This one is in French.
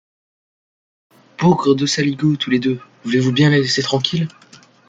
Bougres de saligots, tous les deux ! voulez-vous bien la laisser tranquille !…